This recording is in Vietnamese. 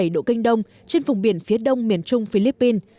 một trăm hai mươi năm bảy độ kinh đông trên vùng biển phía đông miền trung philippines